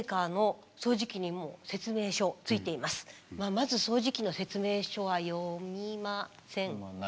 まず掃除機の説明書は読みませんか？